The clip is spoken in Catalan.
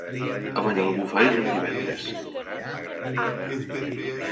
A Banyalbufar hi anem divendres.